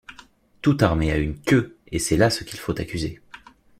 Toute armée a une queue, et c’est là ce qu’il faut accuser.